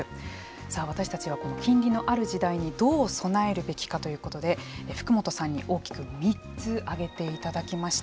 さあ私たちは金利のある時代にどう備えるべきかということで福本さんに大きく３つ挙げていただきました。